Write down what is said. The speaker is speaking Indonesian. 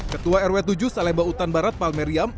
ketua rw tujuh salemba utan barat palmeriam